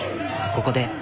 ここで。